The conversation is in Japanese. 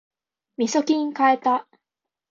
みそきん買えた